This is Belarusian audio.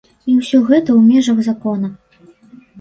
І усё гэта ў межах закона.